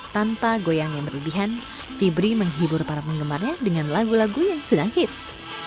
tanpa goyang yang berlebihan fibri menghibur para penggemarnya dengan lagu lagu yang sedang hits